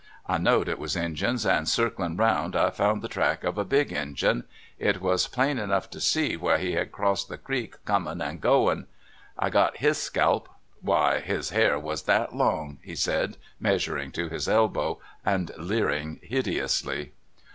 I know'd it was Injuns and circliu' round I found the track of a big Injun ; it was plain enough to see where he had crossed the creek comin' and goin'. I got his Bkelp — why, his har was that long," he said, meas u ring to his elbow, and leering hideously.